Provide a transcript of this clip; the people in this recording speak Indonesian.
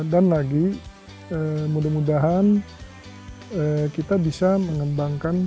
dan lagi mudah mudahan kita bisa mengembangkan